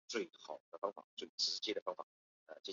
米斯特尔高是德国巴伐利亚州的一个市镇。